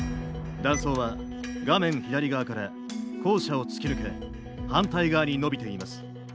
断層は画面左側から校舎を突き抜け反対側にのびています。